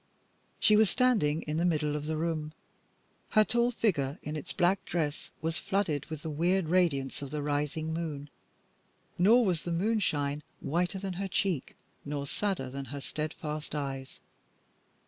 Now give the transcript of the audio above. She was standing in the middle of the room. Her tall figure in its black dress was flooded with the weird radiance of the rising moon, nor was the moonshine whiter than her cheek, nor sadder than her steadfast eyes.